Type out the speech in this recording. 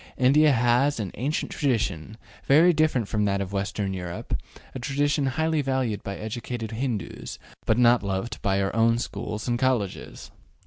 India has an ancient tradition, very different from that of Western Europe, a tradition highly valued by educated Hindoos, but not loved by our schools and colleges.